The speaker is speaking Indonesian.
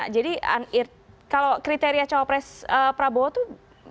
jadi kalau kriteria cowok pres prabowo tuh